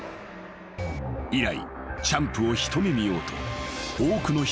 ［以来チャンプを一目見ようと多くの人々が湖を訪れた］